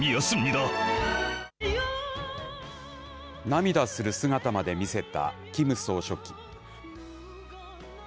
涙する姿まで見せたキム総書記。